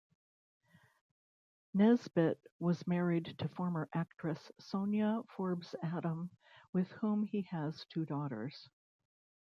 Nesbitt was married to former actress Sonia Forbes-Adam, with whom he has two daughters.